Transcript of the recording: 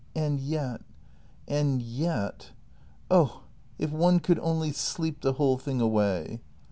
And yet, and yet . Oh! if one could only sleep the whole thing away!